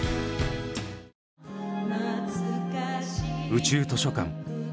「宇宙図書館」。